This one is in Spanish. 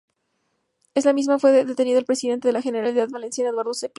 En la misma fue detenido el expresidente de la Generalidad Valenciana, Eduardo Zaplana.